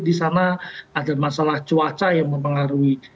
di sana ada masalah cuaca yang mempengaruhi